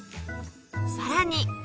さらに